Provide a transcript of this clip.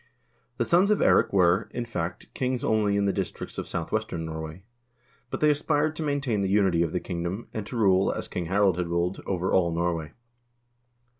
The sons of Eirik were, in fact, kings only in the districts of southwestern Norway. But they aspired to main tain the unity of the kingdom, and to rule, as King Harald had ruled, over all Norway.